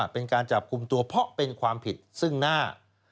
เป็นการจับกลุ่มตัวเพราะเป็นความผิดซึ่งหน้า